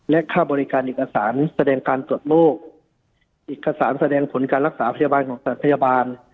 และค่าบริการเอกสารแสดงการตรวจโรคเอกสารแสดงผลการรักษาพยาบาลของพยาบาล